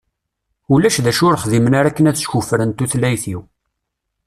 Ulac d acu ur xdimen ara akken ad skuffren tutlayt-iw.